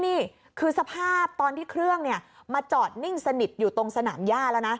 นี่คือสภาพตอนที่เครื่องมาจอดนิ่งสนิทอยู่ตรงสนามย่าแล้วนะ